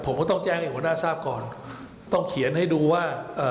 ผมก็ต้องแจ้งให้หัวหน้าทราบก่อนต้องเขียนให้ดูว่าเอ่อ